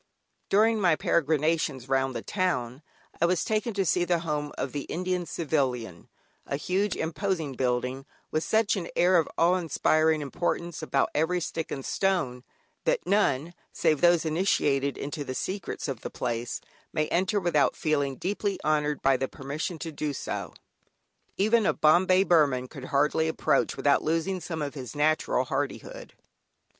During my peregrinations round the town I was taken to see the home of the Indian Civilian, a huge imposing building, with such an air of awe inspiring importance about every stick and stone, that none save those initiated into the secrets of the place, may enter without feeling deeply honoured by the permission to do so. Even a "Bombay Burman" could hardly approach, without losing some of his natural hardihood.